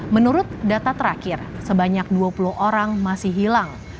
menurut data terakhir sebanyak dua puluh orang masih hilang